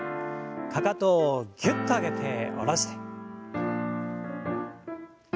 かかとをぎゅっと上げて下ろして。